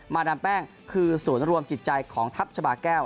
ดามแป้งคือศูนย์รวมจิตใจของทัพชาบาแก้ว